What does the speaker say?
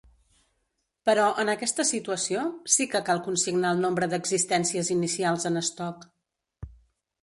Però, en aquesta situació, sí que cal consignar el nombre d'existències inicials en estoc.